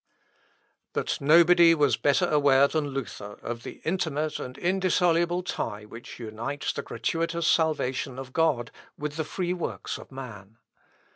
But nobody was better aware than Luther of the intimate and indissoluble tie which unites the gratuitous salvation of God with the free works of man.